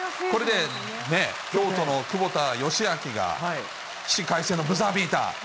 これね、京都の久保田義章が、起死回生のブザービーター。